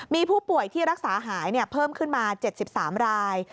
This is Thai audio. มีผู้ป่วยที่รักษาหายเพิ่มขึ้นมา๗๓ราย